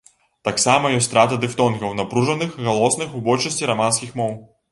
Таксама ёсць страта дыфтонгаў напружаных галосных у большасці раманскіх моў.